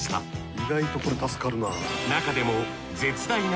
意外とこれ助かるな。